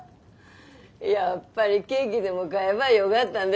やっぱりケーキでも買えばよがったね。